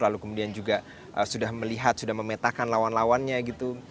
lalu kemudian juga sudah melihat sudah memetakan lawan lawannya gitu